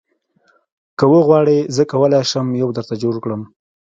که وغواړې زه کولی شم یو درته جوړ کړم